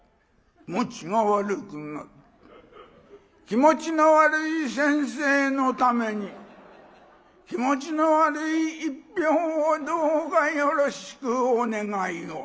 気持ちの悪い先生のために気持ちの悪い１票をどうかよろしくお願いを」。